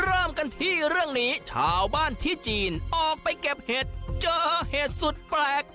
เริ่มกันที่เรื่องนี้ชาวบ้านที่จีนออกไปเก็บเห็ดเจอเห็ดสุดแปลก